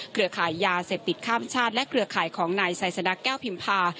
ขายยาเสพติดข้ามชาติและเครือข่ายของนายไซสดาแก้วพิมพา